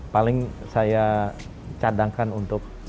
paling saya cadangkan untuk